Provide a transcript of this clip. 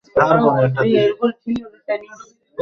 তাকে ক্ষেতে প্রথম দানা দিতে হবে।